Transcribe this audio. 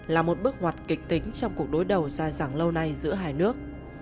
là một bước hoạt kịch tính trong cuộc đối đầu dài dàng lâu nay giữa hai nước